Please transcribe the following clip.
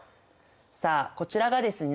さあこちらがですね